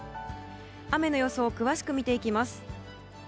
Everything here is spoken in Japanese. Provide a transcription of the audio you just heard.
雨の予想を詳しく見ていきます。